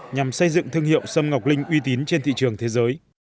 nhằm xây dựng thương hiệu sâm ngọc linh uy tín trên thị trường thế giới